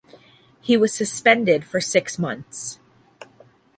He was suspended for six months.